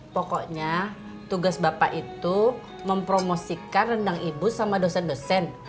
pokoknya tugas bapak itu mempromosikan rendang ibu sama dosen dosen